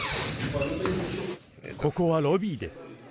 ここはロビーです。